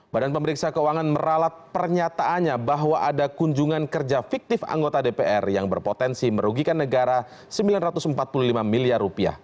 badan pemeriksa keuangan meralat pernyataannya bahwa ada kunjungan kerja fiktif anggota dpr yang berpotensi merugikan negara rp sembilan ratus empat puluh lima miliar